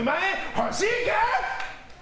欲しいぞ！